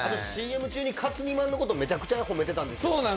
ＣＭ中にカツ煮まんのことめちゃくちゃ褒めてたんですよ。